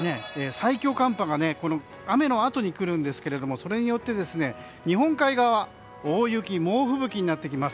最強寒波が雨のあとにくるんですけど、それによって日本海側、大雪・猛吹雪になってきます。